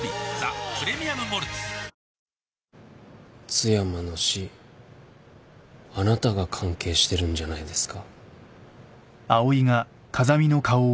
津山の死あなたが関係してるんじゃないですか？